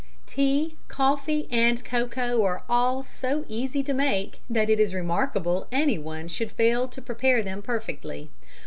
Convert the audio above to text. _ Tea, coffee and cocoa are all so easy to make that it is remarkable anyone should fail to prepare them perfectly.